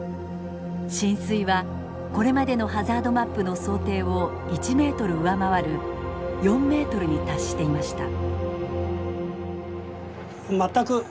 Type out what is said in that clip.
浸水はこれまでのハザードマップの想定を１ｍ上回る４ｍに達していました。